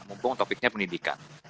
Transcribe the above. mumpung topiknya pendidikan